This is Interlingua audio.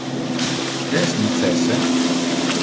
Que es necesse?